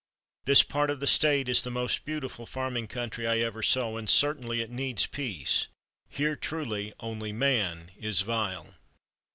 This part of the State is the most beautiful farming country I ever saw, and certainly it needs peace. Here truly 'only man is vile.'"